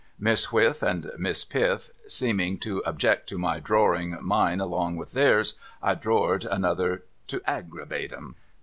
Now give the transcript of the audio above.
' Miss Whiff and Miss Piff seeming to object to my droring mine along with theirs, I drored another to aggravate 'em.